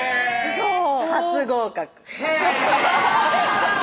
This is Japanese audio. そう初合格へぇ！